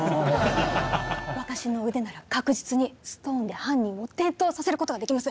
私の腕なら確実にストーンで犯人を転倒させることができます。